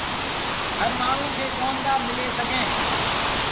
هر مآڻهوٚݩ کي ڪوندآ مليٚ سگھيٚن۔